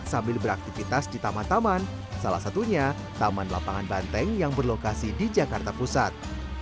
sambil beraktivitas di taman taman salah satunya taman lapangan banteng yang berlokasi di jakarta pusat